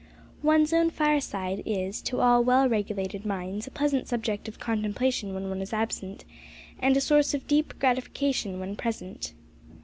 One's own fireside is, to all well regulated minds, a pleasant subject of contemplation when one is absent, and a source of deep gratification when present.